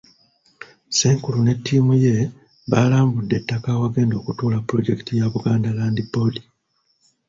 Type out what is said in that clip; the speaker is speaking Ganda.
Ssenkulu ne ttiimu ye baalambudde ettaka awagenda okutuula pulojekiti ya Buganda Land Board.